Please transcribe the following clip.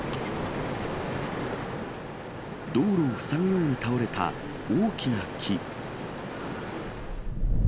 道路を塞ぐように倒れた大きな木。